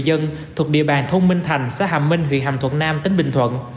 nhiều người dân thuộc địa bàn thôn minh thành xã hàm minh huyện hàm thuận nam tính bình thuận